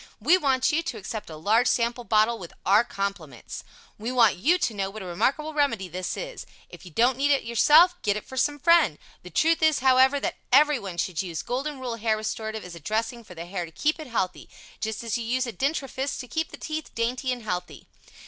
We want you to accept a large sample bottle with our compliments. We want you to know what a remarkable remedy this is. If you don't need it yourself, get it for some friend. The truth is, however, that everyone should use Golden Rule Hair Restorative as a dressing for the Hair to keep it healthy, just as you use a dentrifice to keep the teeth dainty and healthy.